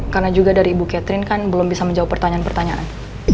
karena juga dari ibu catherine kan belum bisa menjawab pertanyaan pertanyaan